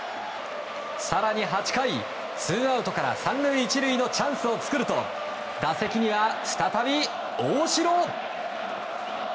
更に８回、ツーアウトから３塁１塁のチャンスを作ると打席には、再び大城！